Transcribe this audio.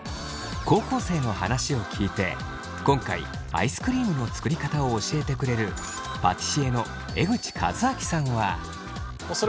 高校生の話を聞いて今回アイスクリームの作りかたを教えてくれるパティシエの江口和明さんは。をご紹介します。